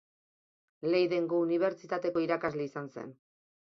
Leidengo Unibertsitateko irakasle izan zen.